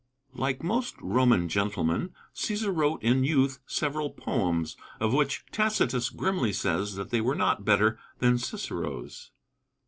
Like most Roman gentlemen, Cæsar wrote in youth several poems, of which Tacitus grimly says that they were not better than Cicero's.